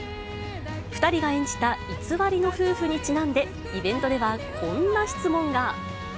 ２人が演じた偽りの夫婦にちなんで、イベントではこんな質問が。